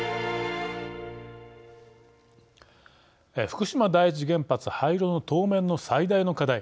福島第一原発廃炉の当面の最大の課題